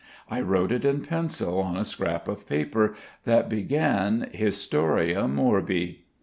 I wrote it in pencil on a scrap of paper that began "Historia Morbi."